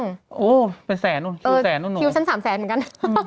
คิวชั้น๓แสนเหมือนกัน